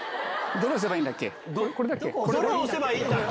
どれ押せばいいんだっけ？